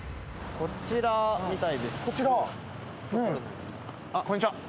こちらみたいですね。